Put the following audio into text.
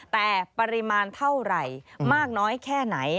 แต่ปริมาณเท่าไหร่มากน้อยแค่ไหน